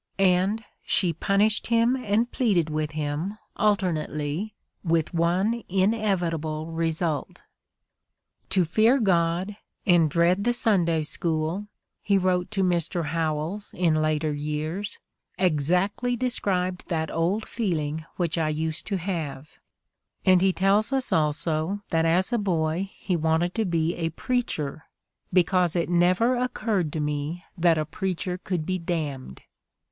And she "punished him and pleaded with him, alternately" — with one inevitable result. "' To fear God and dread the Sunday School, ''' he wrote to Mr. Howells in later years, "exactly de scribed that old feeling which I used to have"; and he tells us also that as a boy he wanted to be a preacher, "because it never occurred to me that a preacher could be damned."